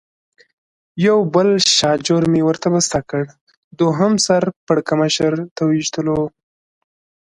یو بل شاژور مې ورته بسته کړ، دوهم سر پړکمشر د وېشتلو.